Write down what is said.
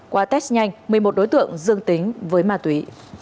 qua test nhanh một mươi một đối tượng dương tính với ma túy